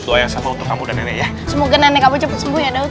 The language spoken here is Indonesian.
semoga nenek kamu cepet sembuh ya daud